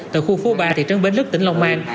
từ khu phố ba thị trấn bến lức tỉnh long an